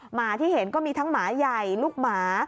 หมาที่เห็นก็มีทั้งหมาใหญ่ลูกหมา